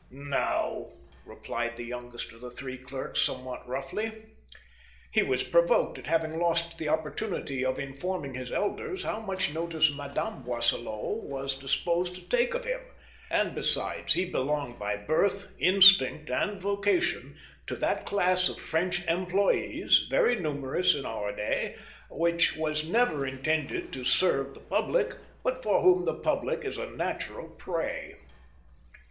"No!" replied the youngest of the three clerks, somewhat roughly. He was provoked at having lost the opportunity of informing his elders how much notice Madame Boisselot was disposed to take of him ; and, besides, he belonged by birth, instinct, and vocation to that class of French employes — very numerous in our day— which was never intended to serve the public, but for whom the public is a natural prey.